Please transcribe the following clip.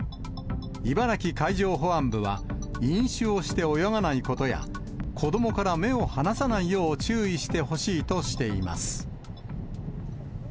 茨城海上保安部は、飲酒をして泳がないことや、子どもから目を離さないよう注意してほしいとしています。